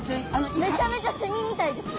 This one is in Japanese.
めちゃめちゃセミみたいです。